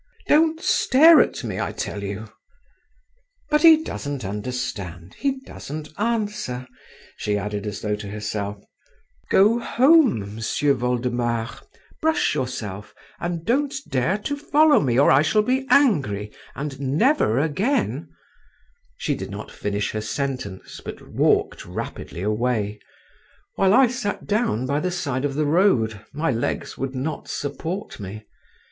Don't stare at me, I tell you…. But he doesn't understand, he doesn't answer," she added, as though to herself…. "Go home, M'sieu' Voldemar, brush yourself, and don't dare to follow me, or I shall be angry, and never again …" She did not finish her sentence, but walked rapidly away, while I sat down by the side of the road … my legs would not support me.